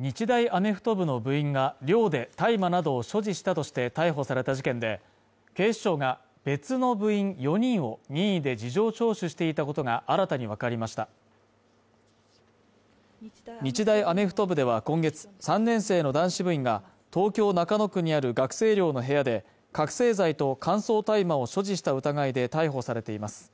日大アメフト部の部員が寮で大麻などを所持したとして逮捕された事件で警視庁が別の部員４人を任意で事情聴取していたことが新たに分かりました日大アメフト部では今月３年生の男子部員が東京・中野区にある学生寮の部屋で覚醒剤と乾燥大麻を所持した疑いで逮捕されています